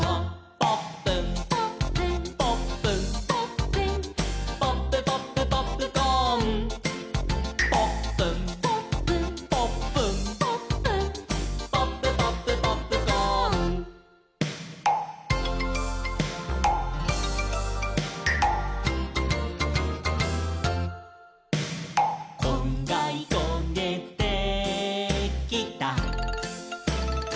「ポップン」「ポップン」「ポップン」「ポップン」「ポップポップポップコーン」「ポップン」「ポップン」「ポップン」「ポップン」「ポップポップポップコーン」「こんがりこげてきた」